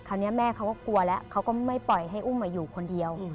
แม่เขาก็กลัวแล้วเขาก็ไม่ปล่อยให้อุ้มอยู่คนเดียว